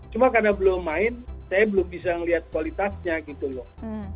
cuma karena belum main saya belum bisa melihat kualitasnya gitu loh